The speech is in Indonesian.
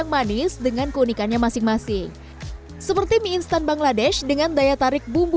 manis dengan keunikannya masing masing seperti mie instan bangladesh dengan daya tarik bumbu